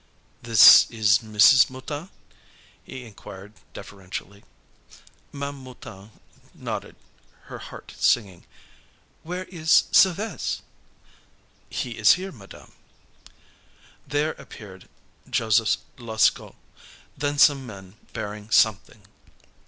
"This is Mrs. Mouton?" he inquired deferentially. Ma'am Mouton nodded, her heart sinking. "Where is Sylves'?" "He is here, madam." There appeared Joseph Lascaud, then some men bearing Something.